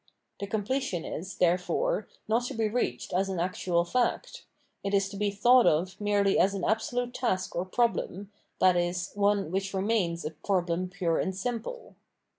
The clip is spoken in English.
The completion is, therefore, not to be reached as an actual fact ; it is to be thought of merely as an absolute task or problem, i.e. one which remains a problem pure and simple.